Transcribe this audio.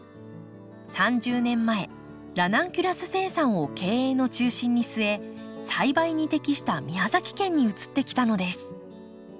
３０年前ラナンキュラス生産を経営の中心に据え栽培に適した宮崎県に移ってきたのです。